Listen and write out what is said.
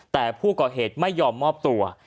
แต่ผู้ก่อเหตุไม่ยอมมอบตัว